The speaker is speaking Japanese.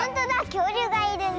きょうりゅうがいるね。